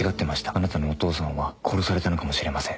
あなたのお父さんは殺されたのかもしれません」